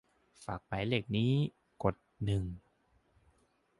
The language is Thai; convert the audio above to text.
ฝากหมายเลขนี้ กดหนึ่ง